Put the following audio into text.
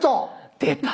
出た。